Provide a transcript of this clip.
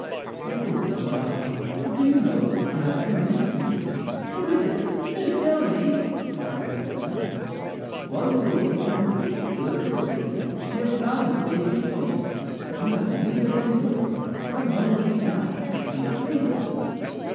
"Of course not, child; but do you know that I have some news for you?" "What is it? Do tell me?" cried the little girl. "While you were away in the wood to look for a baby we have found a baby at home. You have a new baby brother. Come home with me now and you shall see him."